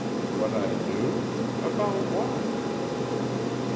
"What I knew? About what?"